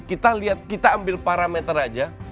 kita ambil parameter aja